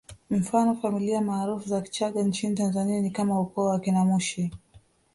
Mfano familia maarufu za Kichaga nchini Tanzania ni kama ukoo wa akina Mushi